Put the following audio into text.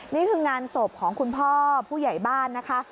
นี่คืองานศพของคุณพ่อผู้ใหญ่บ้านนะคะ